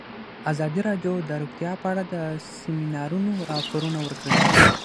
ازادي راډیو د روغتیا په اړه د سیمینارونو راپورونه ورکړي.